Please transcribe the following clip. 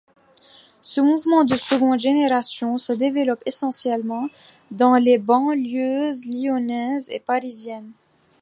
Ce mouvement de seconde génération se développe essentiellement dans les banlieues lyonnaises et parisiennes.